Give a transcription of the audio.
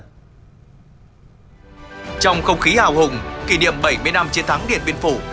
trong không khí hào hùng kỷ niệm bảy mươi năm chiến thắng điện biên phủ